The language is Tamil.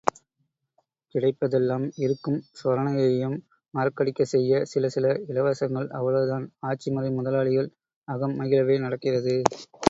கிடைப்பதெல்லாம் இருக்கும் சொரணையையும் மறக்கடிக்கச் செய்ய சில சில இலவசங்கள் அவ்வளவுதான் ஆட்சிமுறை முதலாளிகள் அகம் மகிழவே நடக்கிறது.